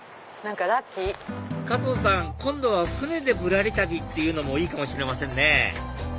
かとうさん今度は船でぶらり旅っていうのもいいかもしれませんね